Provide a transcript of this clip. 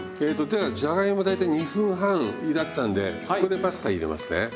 ではじゃがいも大体２分半ゆだったんでここでパスタ入れますね。